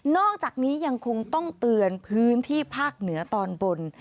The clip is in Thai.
อกจากนี้ยังคงต้องเตือนพื้นที่ภาคเหนือตอนบน